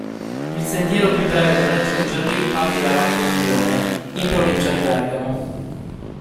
Il sentiero più breve per raggiungerli parte da Valbondione, in provincia di Bergamo.